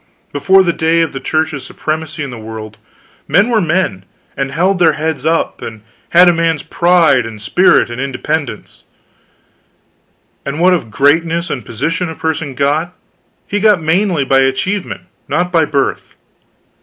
Before the day of the Church's supremacy in the world, men were men, and held their heads up, and had a man's pride and spirit and independence; and what of greatness and position a person got, he got mainly by achievement, not by birth.